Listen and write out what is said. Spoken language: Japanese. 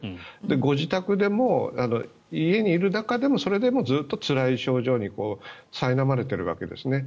ご自宅でも、家にいる中でもそれでもずっとつらい症状にさいなまれているわけですね。